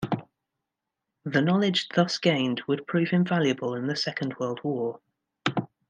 The knowledge thus gained would prove invaluable in the Second World War.